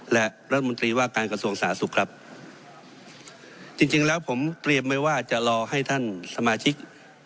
และรัฐมนตรีว่าการกระทรวงสาธารณสุขครับจริงจริงแล้วผมเตรียมไว้ว่าจะรอให้ท่านสมาชิก